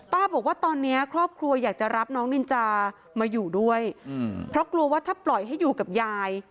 บอกว่าตอนนี้ครอบครัวอยากจะรับน้องนินจามาอยู่ด้วยเพราะกลัวว่าถ้าปล่อยให้อยู่กับยาย